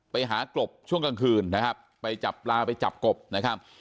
หากบช่วงกลางคืนนะครับไปจับปลาไปจับกบนะครับ